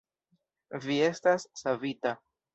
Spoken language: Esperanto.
Vi estas savita!